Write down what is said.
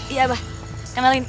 iya mba kenalin